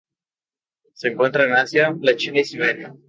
Se encuentran en Asia: la China y Siberia.